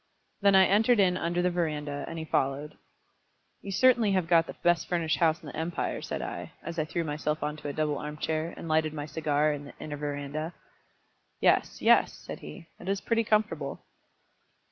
Then I entered in under the verandah, and he followed. "You certainly have got the best furnished house in the empire," said I, as I threw myself on to a double arm chair, and lighted my cigar in the inner verandah. "Yes, yes," said he; "it is pretty comfortable."